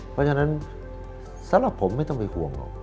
เพราะฉะนั้นสำหรับผมไม่ต้องไปห่วงหรอก